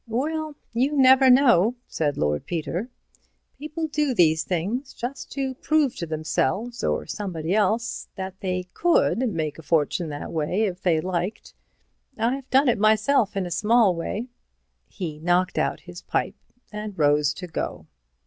"Well, you never know," said Lord Peter; "people do these things, just to prove to themselves or somebody else that they could make a fortune that way if they liked. I've done it myself in a small way." He knocked out his pipe and rose to go.